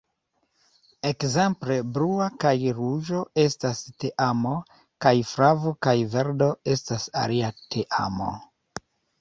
Ekzemple Blua kaj Ruĝo estas teamo, kaj Flavo kaj Verdo estas alia teamo.